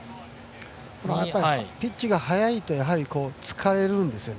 ピッチが速いと疲れるんですね。